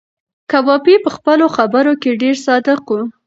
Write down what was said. کبابي په خپلو خبرو کې ډېر صادق و.